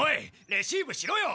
レシーブしろよ！